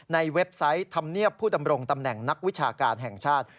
เว็บไซต์ธรรมเนียบผู้ดำรงตำแหน่งนักวิชาการแห่งชาติ